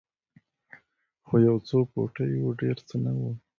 خو یو څو پوټي وو ډېر څه نه وو.